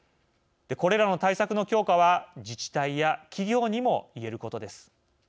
これらの対策の強化は自治体や企業にも言えることです。